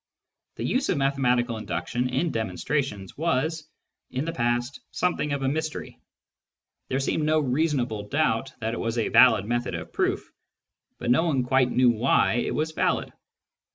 The use of mathematical induction in demonstrations was, in the past, something of a mystery. There seemed no reason able doubt that it was a valid method of proof, but no one quite knew why it was valid.